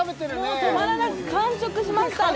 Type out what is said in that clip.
もう止まらなくて完食しましたね